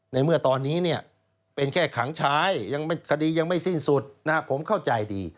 ในเมื่อตอนนี้เนี่ยเป็นแค่ขังชายคดียังไม่สิ้นสุดผมเข้าใจดี